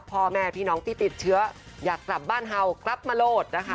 พ่อแม่พี่น้องที่ติดเชื้ออยากกลับบ้านเฮากลับมาโลดนะคะ